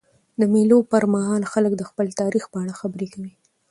د مېلو پر مهال خلک د خپل تاریخ په اړه خبري کوي.